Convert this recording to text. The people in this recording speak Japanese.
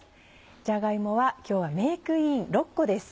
じゃが芋は今日はメークイン６個です。